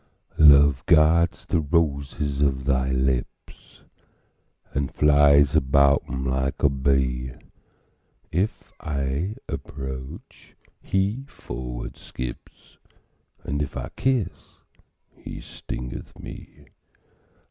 Love guards the roses of thy lips, And flies about them like a bee: If I approach, he forward skips, And if I kiss, he stingeth me.